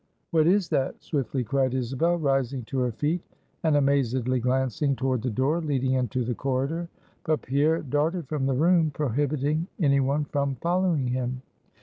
"What is that?" swiftly cried Isabel, rising to her feet, and amazedly glancing toward the door leading into the corridor. But Pierre darted from the room, prohibiting any one from following him.